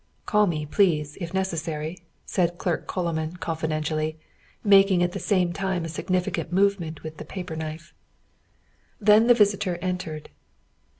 "Call me, please, if necessary," said clerk Coloman confidentially, making at the same time a significant movement with the paper knife. Then the visitor entered.